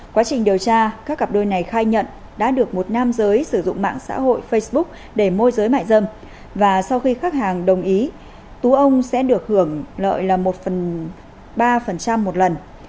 quá trình điều tra các cặp đôi này khai nhận đã được một nam giới sử dụng mạng xã hội facebook để môi giới mại dâm và sau khi khách hàng đồng ý tú ông sẽ được hưởng lợi là một phần ba một lần